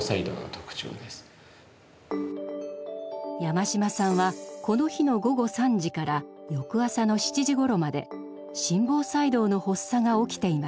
山島さんはこの日の午後３時から翌朝の７時ごろまで心房細動の発作が起きていました。